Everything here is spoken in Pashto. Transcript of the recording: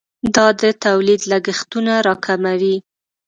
دا د تولید لګښتونه راکموي.